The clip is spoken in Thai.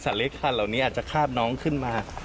ซึ่งสัตว์เล็กขานาวนี้อาจจะข้าบน้องขึ้นมา